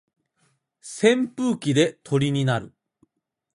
扇風機で鳥になる